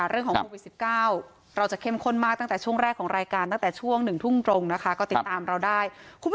เรื่องของโควิด๑๙เราจะเข้มข้นมากตั้งแต่ช่วงแรกของรายการ๑ทุ่งก็ติดตามเราได้